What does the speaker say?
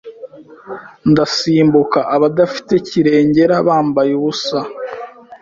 ndasimbukaAbadafite kirengera bambaye ubusa